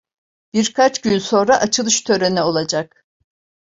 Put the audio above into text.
Birkaç gün sonra açılış töreni olacak.